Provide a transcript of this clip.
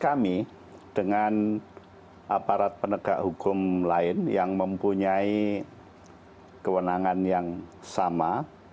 kami dengan aparat penegak hukum lain yang mempunyai kewenangan yang sama